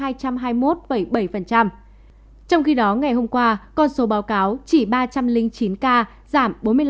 trong khi đó ngày hôm qua con số báo cáo chỉ ba trăm linh chín ca giảm bốn mươi năm